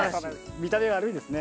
見た目悪いですね。